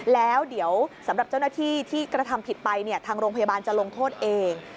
แล้วเดี๋ยวสำหรับเจ้าหน้าที่ที่กระทำผิดไปเนี่ยทางโรงพยาบาลจะลงโทษเอง